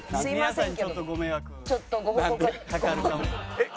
えっ？